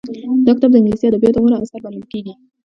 دا کتاب د انګلیسي ادبیاتو غوره اثر بلل کېږي